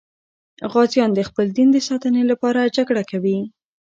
غازیان د خپل دین د ساتنې لپاره جګړه کوي.